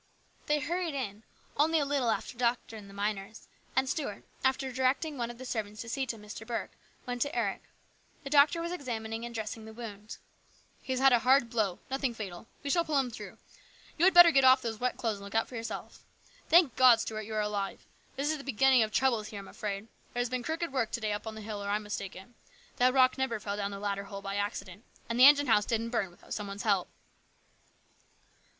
They hurried in, only a little after the doctor and the miners, and Stuart, after directing one of the servants to see to Mr. Burke, went to Eric. The doctor was examining and dressing the wound. "He has had a hard blow. Nothing fatal. We shall pull him through. You had better get off those wet clothes and look out for yourself. Thank God, Stuart, you are alive ! This is the beginning of troubles here, I'm afraid. There has been crooked work to day up on the hill, or I'm mistaken. That rock never fell down the ladder hole by accident, and the engine house didn't burn without some one's help."